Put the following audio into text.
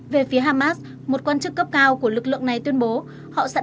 về phía hamas một quan chức cấp cao của lực lượng này tuyên bố họ sẵn sàng